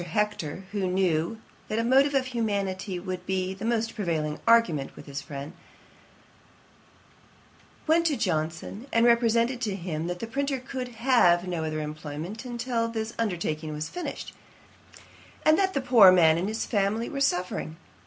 Hector, who knew that a motive of humanity would be the most prevailing argument with his friend, went to Johnson, and represented to him, that the printer could have no other employment till this undertaking was finished, and that the poor man and his family were suffering.